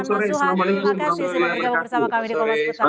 terima kasih sudah bergabung bersama kami di komnas pertama